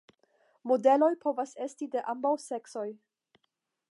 Modeloj povas esti de ambaŭ seksoj.